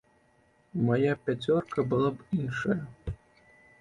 Мая пяцёрка была б іншая.